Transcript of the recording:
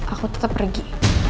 aku tetap pergi